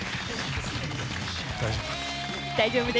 大丈夫？